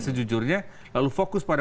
sejujurnya lalu fokus pada